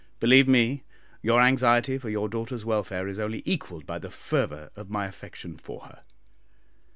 Believe me, your anxiety for your daughter's welfare is only equalled by the fervour of my affection for her.